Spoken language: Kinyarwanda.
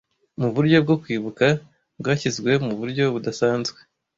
Muburyo bwo kwibuka bwashyizwe muburyo budasanzwe